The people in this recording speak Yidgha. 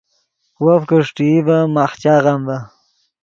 وف کہ اݰٹئی ڤے ماخ چاغم ڤے